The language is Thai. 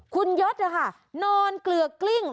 คุณยศนอนเกลือกกลิ้ง